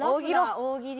大喜利。